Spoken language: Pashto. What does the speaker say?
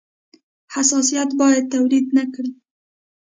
حساسیت باید تولید نه کړي.